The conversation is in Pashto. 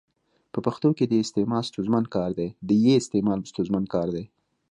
په پښتو کي د ي استعمال ستونزمن کار دی.